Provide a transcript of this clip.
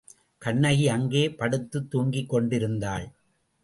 கண்ணகி அங்கே படுத்துத் தூங்கிக் கொண்டிருந்தாள்.